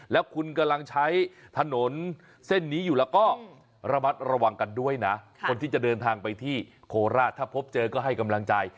แล้วคุณกำลังใช้ถนนเส้นนี้อยู่แล้วก็ระมัดระวังกันด้วยนะคนที่จะเดินทางไปที่โคราชถ้าพบเจอก็ให้กำลังใจ